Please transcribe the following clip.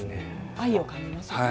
愛を感じますよね。